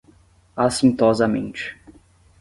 acintosamente